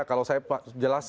kalau saya jelas